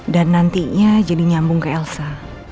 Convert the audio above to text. dan nantinya jadi nyambung ke elsa